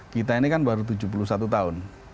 kita ini kan baru tujuh puluh satu tahun